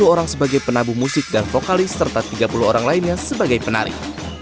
sepuluh orang sebagai penabuh musik dan vokalis serta tiga puluh orang lainnya sebagai penari